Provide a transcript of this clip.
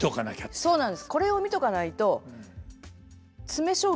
そうなんです。